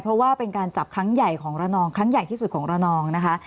เพราะว่าเป็นการจับครั้งใหญ่ของระนองครั้งใหญ่ที่สุดของระนองนะคะ